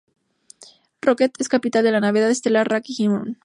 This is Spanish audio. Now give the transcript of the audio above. Rocket es capitán de la nave estelar "Rack 'n' Ruin.